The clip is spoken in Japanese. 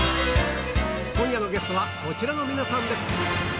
今夜のゲストはこちらの皆さんです。